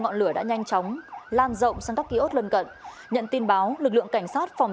ngọn lửa đã nhanh chóng lan rộng sang các ký ốt lân cận nhận tin báo lực lượng cảnh sát phòng